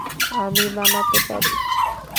আমি বানাতে পারি।